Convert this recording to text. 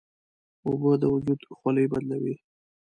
اوبه د وجود خولې بدلوي.